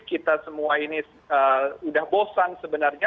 kita semua ini sudah bosan sebenarnya